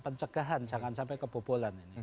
pencegahan jangan sampai kebobolan